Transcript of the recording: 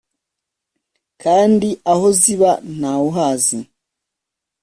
kandi aho ziba nta wuhazi.